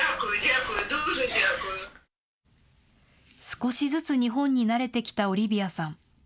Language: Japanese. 少しずつ日本に慣れてきたオリビアさん。